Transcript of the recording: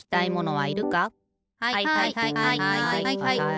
はいはいはい。